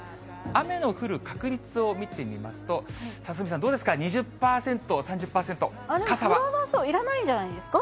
雨の降る確率を見てみますと、鷲見さん、どうですか、２０％、３０％、いらないんじゃないですか。